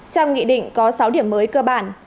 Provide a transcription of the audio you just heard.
trong nghị định có sáu điểm mới cơ bản